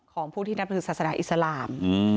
ของผู้ที่นับถือศาสนาอิสลาม